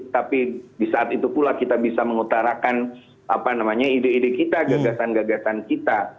tapi di saat itu pula kita bisa mengutarakan ide ide kita gagasan gagasan kita